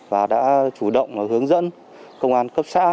và đã chủ động hướng dẫn công an cấp xã